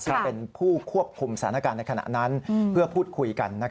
ซึ่งเป็นผู้ควบคุมสถานการณ์ในขณะนั้นเพื่อพูดคุยกัน